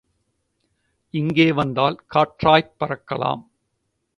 இங்கே வந்தால் காற்றாய்ப் பறக்கலாம்.